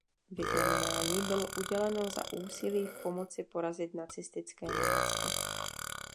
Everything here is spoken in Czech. Vyznamenání bylo uděleno za úsilí v pomoci porazit nacistické Německo.